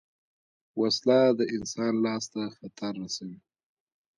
وسله د انسان لاس ته خطر رسوي